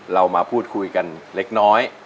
เรามาพูดคุยกันเล็กน้อย